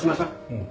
うん。